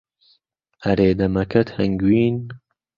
ئهرێ دهمهکهت ههنگوین